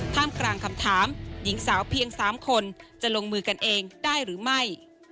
กลางคำถามหญิงสาวเพียง๓คนจะลงมือกันเองได้หรือไม่